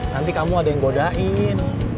nanti kamu ada yang godain